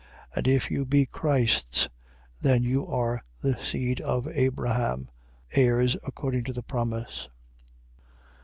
And if you be Christ's, then are you the seed of Abraham, heirs according to the promise.